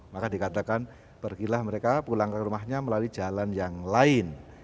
maka dikatakan pergilah mereka pulang ke rumahnya melalui jalan yang lain